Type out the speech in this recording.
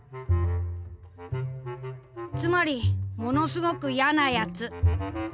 「つまりものすごく『ヤなやつ』！」。